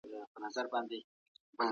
همسایه حقونه لري.